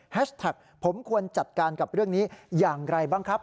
แท็กผมควรจัดการกับเรื่องนี้อย่างไรบ้างครับ